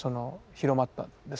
広まったんですか？